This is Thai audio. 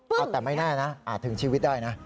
เอาแต่ไม่แน่นะอาจถึงชีวิตได้นะ